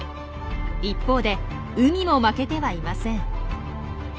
一方で海も負けてはいません。